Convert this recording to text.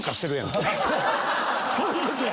そういうことや！